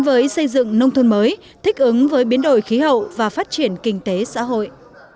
với xây dựng nông thôn mới thích ứng với biến đổi khí hậu và phát triển kinh tế xã hội